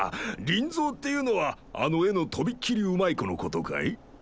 リンゾーっていうのはあの絵のとびっきりうまい子の事かい？